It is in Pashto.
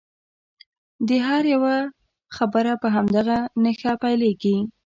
د هر یوه خبره په همدغه نښه پیلیږي.